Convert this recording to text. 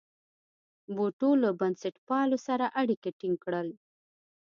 بوټو له بنسټپالو سره اړیکي ټینګ کړل.